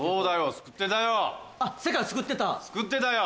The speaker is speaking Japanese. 救ってたよ！